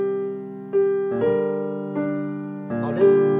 あれ？